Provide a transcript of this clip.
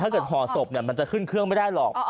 ถ้าเกิดห่อสบมันจะขึ้นเคลื่องไม่ได้หรอก